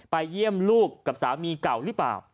เยี่ยมลูกกับสามีเก่าหรือเปล่า